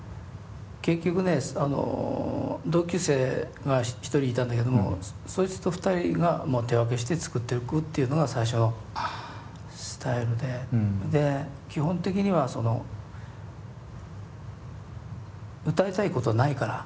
結局ね同級生が１人いたんだけどもそいつと２人が手分けして作っていくっていうのが最初のスタイルで基本的にはその歌いたいことはないから。